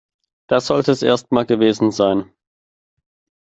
Das sollte es erst mal gewesen sein.